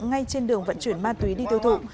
ngay trên đường vận chuyển ma túy đi tiêu thụ